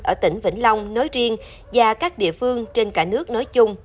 ở tỉnh vĩnh long nói riêng và các địa phương trên cả nước nói chung